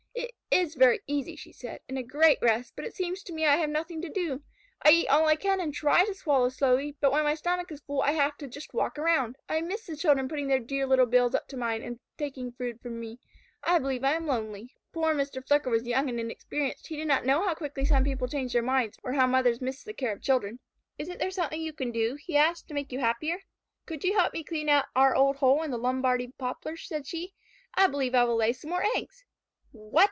"It is very easy," she said, "and a great rest, but it seems to me I have nothing to do. I eat all I can and try to swallow slowly, but when my stomach is full I have to just walk around. I miss the children putting their dear little bills up to mine and taking food from me. I believe I am lonely." Poor Mr. Flicker was young and inexperienced. He did not know how quickly some people change their minds, or how mothers miss the care of children. "Isn't there something you can do," he asked, "to make you happier?" "Could you help me clean out our old hole in the Lombardy poplar?" said she. "I believe I will lay some more eggs." "What?"